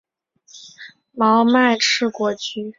毛脉翅果菊是菊科翅果菊属的植物。